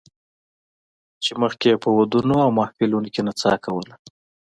چې مخکې یې په ودونو او محفلونو کې نڅا کوله